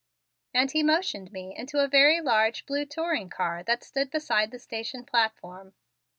And he motioned me into a very large blue touring car that stood beside the station platform.